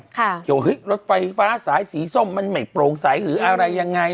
เกี่ยวเฮ้ยรถไฟฟ้าสายสีส้มมันไม่โปร่งใสหรืออะไรยังไง